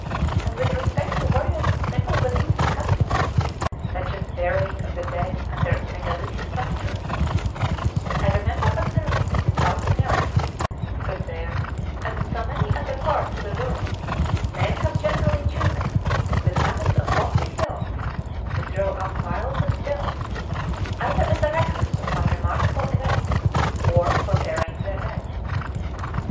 and with respect to various simple beliefs and customs, such as the burying of the dead under megalithic structures. I remember observing in South America (27. 'Journal of Researches: Voyage of the "Beagle,"' p. 46.), that there, as in so many other parts of the world, men have generally chosen the summits of lofty hills, to throw up piles of stones, either as a record of some remarkable event, or for burying their dead.